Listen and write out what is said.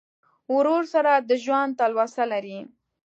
ورور سره د ژوند تلوسه لرې.